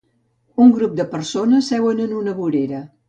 Un grup de persones seuen en una vorera.